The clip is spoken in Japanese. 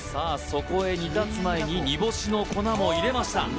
そこへ煮立つ前に煮干しの粉も入れました